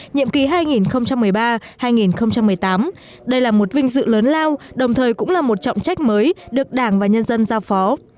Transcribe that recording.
nhiệm kỳ hai nghìn một mươi ba hai nghìn một mươi tám đây là một vinh dự lớn lao đồng thời cũng là một trọng trách mới được đảng và nhân dân giao phó